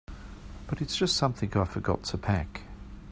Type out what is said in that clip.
But it's just something I forgot to pack.